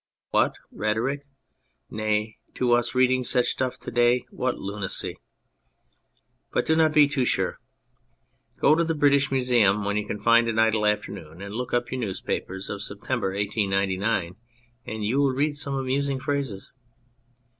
What rhetoric ! Nay, to us reading such stuff' to day, what lunacy ! But do not be too sure. Go to the British Museum when you can find an idle afternoon and look up your newspapers of September, 1 899, and you will read some amusing phrases.